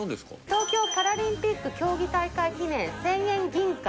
東京パラリンピック競技大会記念千円銀貨。